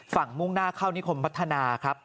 มุ่งหน้าเข้านิคมพัฒนาครับ